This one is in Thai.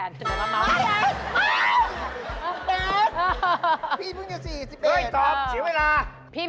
เฮ้ยตอบเฉียวเวลา